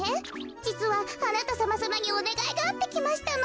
じつはあなたさまさまにおねがいがあってきましたの。